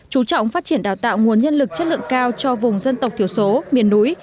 chú trọng phát triển đào tạo nguồn nhân lực chất lượng cao cho vùng dân tộc thiểu số miền núi